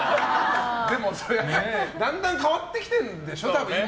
でもやっぱりだんだん変わってきてるんでしょ。